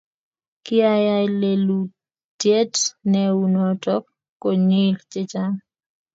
kiayay lelutiet neu notok konyil chechang